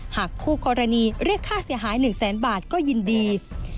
หากคู่กรณีเรียกค่าเสียหาย๑แสนบาทก็ยินดี